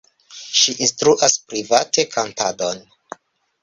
Ŝi instruas private kantadon.